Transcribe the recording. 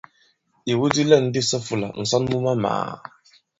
Ìwu di lɛ̂n di sɔ i ifūlā: ǹsɔn mu mamàà.